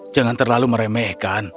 jangan terlalu meremehkan